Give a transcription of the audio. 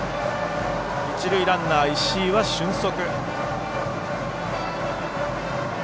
一塁ランナー、石井は俊足。